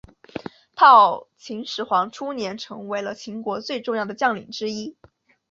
到秦始皇初年成为了秦国最重要的将领之一。